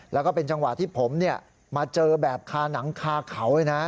แล้วก็เป็นจังหวะที่ผมมาเจอแบบคาหนังคาเขาเลยนะ